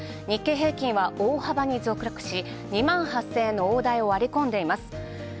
日経平均は大幅に続落し、２万８０００円の大台を割り込んでいます。